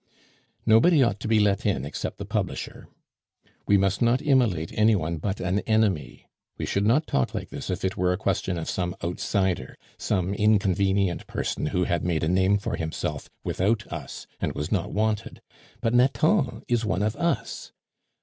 Nobody ought to be let in except the publisher. We must not immolate any one but an enemy. We should not talk like this if it were a question of some outsider, some inconvenient person who had made a name for himself without us and was not wanted; but Nathan is one of us.